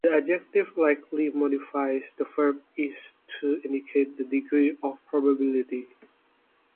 The adjective "likely" modifies the verb "is" to indicate the degree of probability.